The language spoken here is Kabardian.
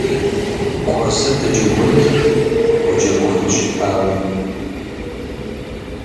Куэзыр дыджэгунт, уджэгуфу щытамэ.